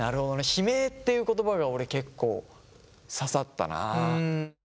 悲鳴っていう言葉が俺結構刺さったな。